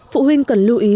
phụ huynh cần lưu ý